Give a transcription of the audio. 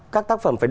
các tác phẩm phải